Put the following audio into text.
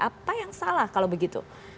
apa yang salah kalau begitu